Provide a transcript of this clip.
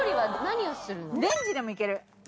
レンジでもいける。